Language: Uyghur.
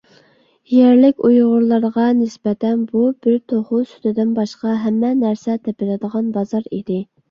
يەرلىك ئۇيغۇرلارغا نىسبەتەن، بۇ بىر «توخۇ سۈتىدىن باشقا ھەممە نەرسە تېپىلىدىغان بازار» ئىدى.